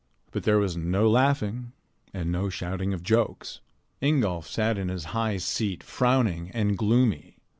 But there was no laughing and no shouting of jokes. Ingolf sat in his high seat frowning and gloomy.